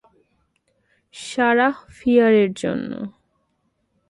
Sarah ফিয়ারের জন্য।